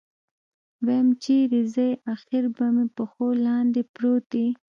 ويم چېرې ځې اخېر به مې پښو لاندې پروت يې.